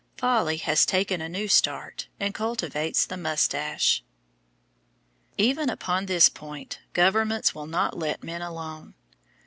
Folly has taken a new start, and cultivates the moustache. Even upon this point governments will not let men alone.